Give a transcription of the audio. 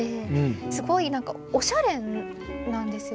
すごいおしゃれなんですよ。